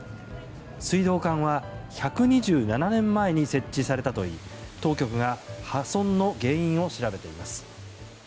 水道管は１２７年前に設置されたといい当局が破損の原因を調べています。